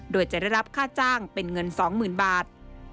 โดยจะได้รับค่าจ้างเป็นเงิน๒๐๐๐บาท